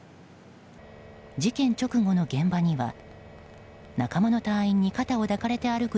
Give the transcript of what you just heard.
事件直後の現場には仲間の隊員に肩を抱かれて歩く